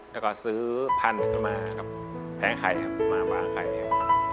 แล้วก็ซื้อพันธุ์เข้ามาครับแผงไข่ครับหวางไข่ครับ